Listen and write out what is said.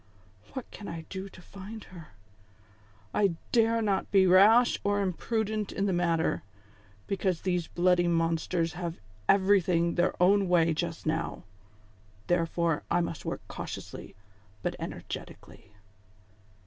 " What can I do to find her ? I dare not be rash or im prudent in the matter, because these bloody monsters have everything their own way just now ; therefore, I must work cautiously, but energetically."